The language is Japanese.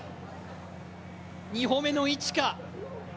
２歩目の位置か。